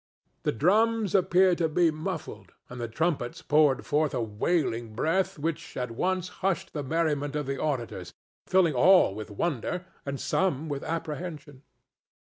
The drums appeared to be muffled, and the trumpets poured forth a wailing breath which at once hushed the merriment of the auditors, filling all with wonder and some with apprehension.